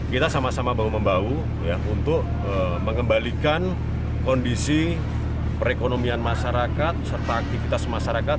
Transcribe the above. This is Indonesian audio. kita sama sama bahu membahu untuk mengembalikan kondisi perekonomian masyarakat serta aktivitas masyarakat